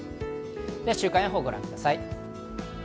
では週間予報をご覧ください。